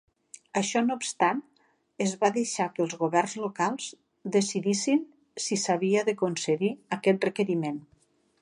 Això no obstant, es va deixar que els governs locals decidissin si s'havia de concedir aquest requeriment.